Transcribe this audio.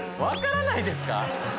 わからないですか？